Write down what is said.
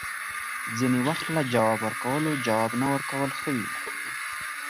ځینې وخت له جواب ورکولو، جواب نه ورکول ښه وي